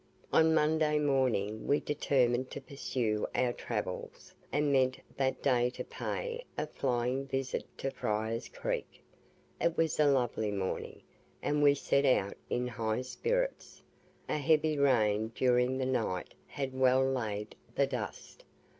On Monday morning we determined to pursue our travels, and meant that day to pay a flying, visit to Fryer's Creek. It was a lovely morning, and we set out in high spirits. A heavy rain during the night had well laid the dust.